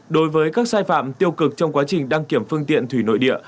đối với các sai phạm tiêu cực trong quá trình đăng kiểm phương tiện thủy nội địa